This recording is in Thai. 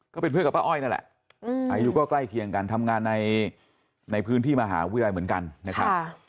ก็เป็นเพื่อนกับป้าอ้อยนั่นแหละอายุก็ใกล้เคียงกันทำงานในพื้นที่มหาวิทยาลัยเหมือนกันนะครับ